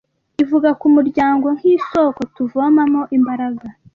ivuga ku muryango nk’ isooko tuvomamo imbaraga